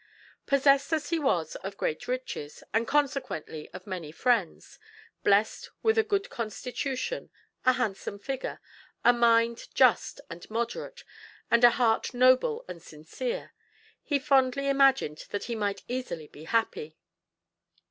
Possessed as he was of great riches, and consequently of many friends, blessed with a good constitution, a handsome figure, a mind just and moderate, and a heart noble and sincere, he fondly imagined that he might easily be happy.